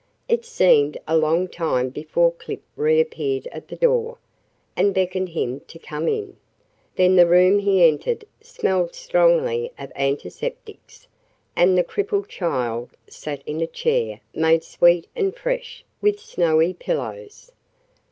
It seemed a long time before Clip reappeared at the door, and beckoned him to come in. Then the room he entered smelled strongly of antiseptics, and the crippled child sat in a chair made sweet and fresh with snowy pillows.